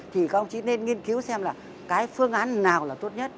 thì các ông chí nên nghiên cứu xem là cái phương án nào là tốt nhất